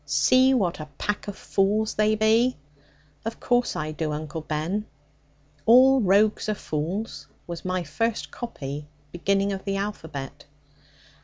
'See what a pack of fools they be?' 'Of course I do, Uncle Ben. "All rogues are fools," was my first copy, beginning of the alphabet.'